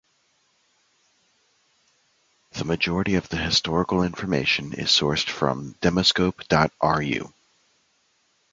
The majority of the historical information is sourced from "Demoscope dot ru".